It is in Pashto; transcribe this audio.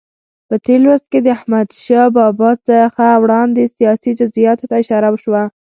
په تېر لوست کې د احمدشاه بابا څخه وړاندې سیاسي جزئیاتو ته اشاره وشوه.